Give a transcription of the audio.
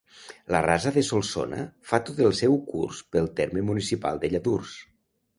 La Rasa de Solsona fa tot el seu curs pel terme municipal de Lladurs.